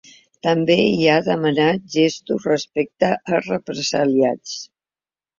També hi ha demanat gestos respecte als represaliats.